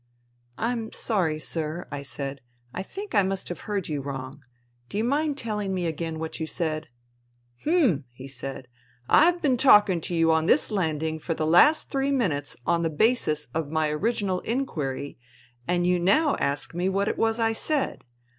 ' I'm sorry, sir,' I said, ' I think I must have heard you wrong. Do you mind teUing me again what you said ?'' Hm !' he said, ' I've been talking to you on this landing for the last three minutes on the basis of my original inquiry, and you now ask me what it was I said.